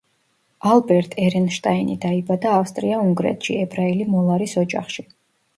ალბერტ ერენშტაინი დაიბადა ავსტრია-უნგრეთში, ებრაელი მოლარის ოჯახში.